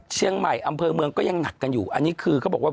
เชียงใหม่อำเภอเมืองก็ยังหนักกันอยู่อันนี้คือเขาบอกว่า